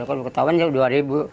ketauan ya rp dua